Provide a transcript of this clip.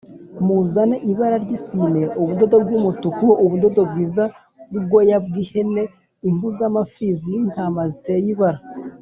Muzane ibara ry’isine ubudodo bw’umutuku ubudodo bwiza n’ubwoya bw’ihene impu z’amapfizi y’ intama ziteye ibara